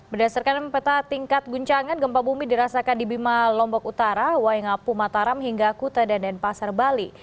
berdasarkan peta tingkat guncangan gempa bumi dirasakan di bima lombok utara waingapu mataram hingga kute dan denpasar bali